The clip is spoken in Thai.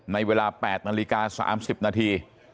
ในเวลา๘นาฬิกา๓๐นาที